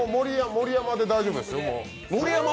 盛山で大丈夫ですよ、もう。